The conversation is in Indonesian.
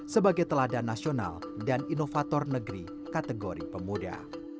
sebagai teladan nasional dan inovator negeri kategori pemuda